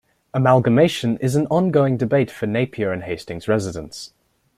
Amalgamation is an ongoing debate for Napier and Hastings residents.